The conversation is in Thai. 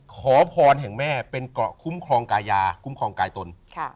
ขอพรแห่งแม่เป็นเกาะคุ้มครองกายาคุ้มครองกายตน